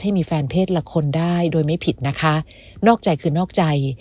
มีแฟนเพศละคนได้โดยไม่ผิดนะคะนอกใจคือนอกใจ